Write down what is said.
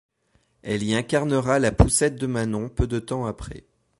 Elle y incarnera la Poussette de Manon peu de temps après.